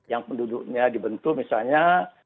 yang penduduknya dibentuk misalnya